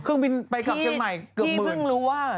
เครื่องบินไปกลับเชียงใหม่เกือบเพิ่งรู้ว่า